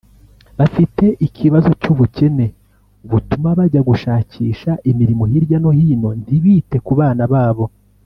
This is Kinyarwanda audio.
Bafite ikibazo cy’ ubukene butuma bajya gushakisha imirimo hirya no hino ntibite ku bana babo”